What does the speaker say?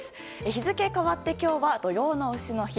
日付が変わって今日は土用の丑の日。